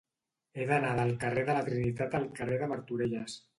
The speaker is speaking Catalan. He d'anar del carrer de la Trinitat al carrer de Martorelles.